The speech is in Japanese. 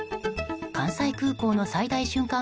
関西空港の最大瞬間